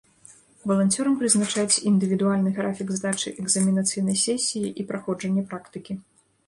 Валанцёрам прызначаць індывідуальны графік здачы экзаменацыйнай сесіі і праходжання практыкі.